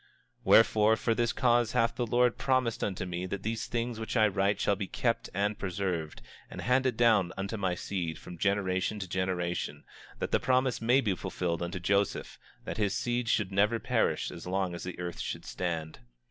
25:21 Wherefore, for this cause hath the Lord God promised unto me that these things which I write shall be kept and preserved, and handed down unto my seed, from generation to generation, that the promise may be fulfilled unto Joseph, that his seed should never perish as long as the earth should stand.